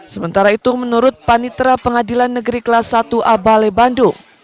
sementara itu menurut panitera pengadilan negeri kelas satu a bale bandung